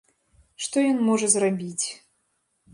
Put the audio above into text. Што ён можа зрабіць?